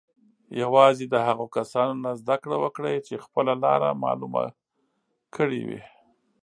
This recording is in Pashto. یوازې د هغو کسانو نه زده کړه وکړئ چې خپله لاره معلومه کړې وي.